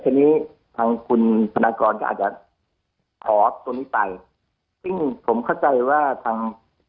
ทีนี้ทางคุณธนากรก็อาจจะขอตัวนี้ไปซึ่งผมเข้าใจว่าทาง